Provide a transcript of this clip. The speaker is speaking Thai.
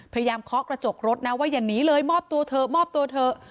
เคาะกระจกรถนะว่าอย่าหนีเลยมอบตัวเถอะมอบตัวเถอะ